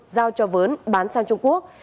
giao cho vấn bán sang trung quốc